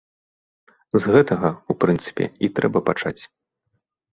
З гэтага, у прынцыпе, і трэба пачаць.